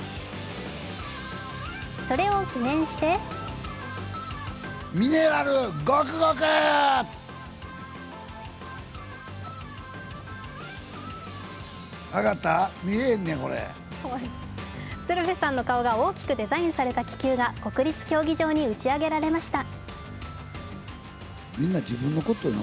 それを記念して鶴瓶さんの顔が大きくデザインされた気球が国立競技場に打ち上げられました。